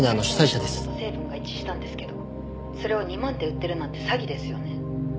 「成分が一致したんですけどそれを２万で売ってるなんて詐欺ですよね？」